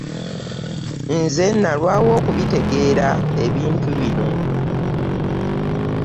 Nze nalwawo okubitegeera ebintu bino.